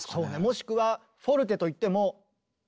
もしくはフォルテといっても。